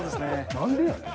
何でやねん。